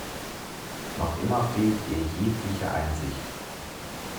Noch immer fehlt ihr jegliche Einsicht.